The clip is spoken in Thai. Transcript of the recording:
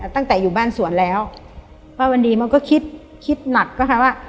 ตั้งแต่อยู่บ้านสวนแล้วป้าวันดีมันก็คิดคิดหนักก็ค่ะว่า